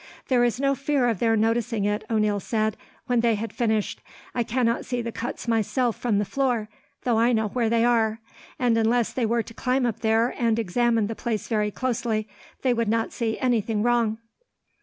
"There is no fear of their noticing it," O'Neil said, when they had finished. "I cannot see the cuts myself from the floor, though I know where they are; and unless they were to climb up there, and examine the place very closely, they would not see anything wrong."